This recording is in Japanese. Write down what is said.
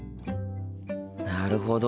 なるほど。